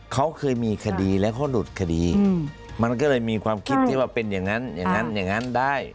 เขาเคยมีคดีแล้วเขาหลุดคดีมันก็เลยมีความคิดที่ว่าเป็นอย่างนั้นได้